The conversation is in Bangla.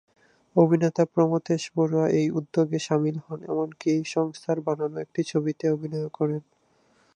অভিনেতা প্রমথেশ বড়ুয়া এই উদ্যোগে সামিল হন, এমনকি এই সংস্থার বানানো একটি ছবিতে অভিনয়ও করেন।